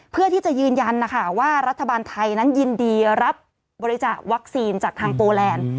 เพื่อที่จะยืนยันนะคะว่ารัฐบาลไทยนั้นยินดีรับบริจาควัคซีนจากทางโปแลนด์